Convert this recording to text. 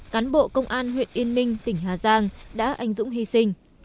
cán bộ công an huyện yên minh tỉnh hà giang đã ảnh dụng hy sinh